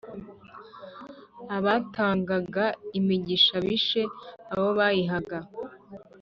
Abatangaga imigisha Bishe abo bayihaga !